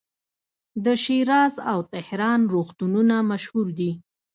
د شیراز او تهران روغتونونه مشهور دي.